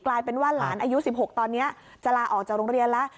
กลายเป็นว่าหลานอายุ๑๖ตอนนี้จะลาออกจากโรงเรียนแล้ว